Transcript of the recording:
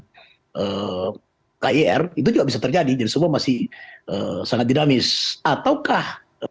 hanya kemudian di sini aja kan prinsip bahwa ternyata p dua ini lah coba ngyaired dengan kia jadi semua masih sangat dinamis ataukah